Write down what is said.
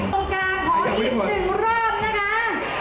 ตรงกลางขออีกหนึ่งรอบนะคะ